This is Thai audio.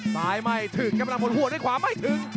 ซ้ายไม่ถึงครับพลังพลหัวด้วยขวาไม่ถึง